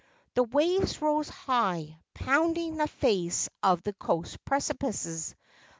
The waves rose high, pounding the face of the coast precipices.